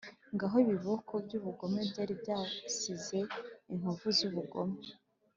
ngaho ibiboko byubugome byari byasize inkovu zubugome